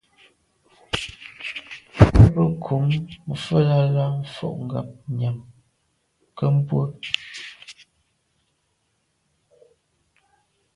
Me be kum mfelàlà fotngab nyàm nke mbwe.